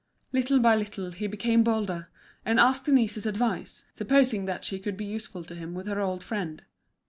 Little by little he became bolder, and asked Denise's advice, supposing that she could be useful to him with her old friend.